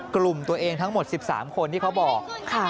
กลุ่มตัวเองทั้งหมด๑๓คนที่เขาบอก